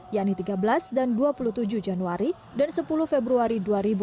yakni tiga belas dan dua puluh tujuh januari dan sepuluh februari dua ribu dua puluh